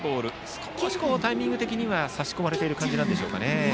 少しタイミング的には差し込まれている感じなんでしょうか。